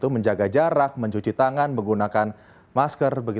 menjaga jarak mencuci tangan menggunakan masker